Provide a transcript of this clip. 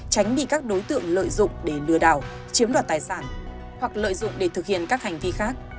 tránh bị các đối tượng lợi dụng để lừa đảo chiếm đoạt tài sản hoặc lợi dụng để thực hiện các hành vi khác